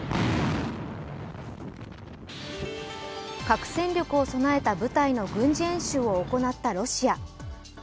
核戦力を備えた部隊の軍事演習を行ったロシア。